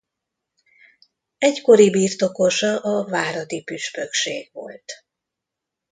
Egykori birtokosa a váradi püspökség volt.